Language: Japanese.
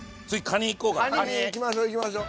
カニ行きましょう行きましょう。